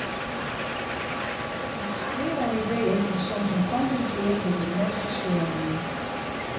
Myn stream oan ideeën kin soms in kant útgean dy't ik net foarsjoen hie.